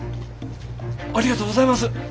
ありがとうございます！